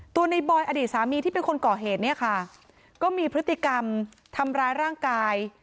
ในบอยอดีตสามีที่เป็นคนก่อเหตุเนี่ยค่ะก็มีพฤติกรรมทำร้ายร่างกาย